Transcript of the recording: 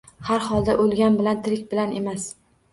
Har holda o'lgan bilan tirik bir emas.